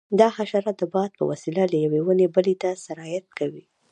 دا حشره د باد په وسیله له یوې ونې بلې ته سرایت کوي.